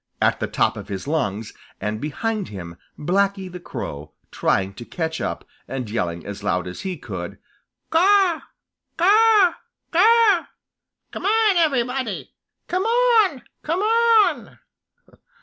at the top of his lungs, and behind him Blacky the Crow, trying to catch up and yelling as loud as he could, "Caw, caw, caw! Come on, everybody! Come on! Come on!"